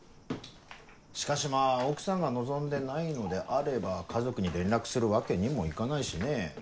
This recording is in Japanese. しかしまぁ奥さんが望んでないのであれば家族に連絡するわけにもいかないしねぇ。